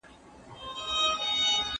ادبیاتو پوهنځۍ په ناسمه توګه نه رهبري کیږي.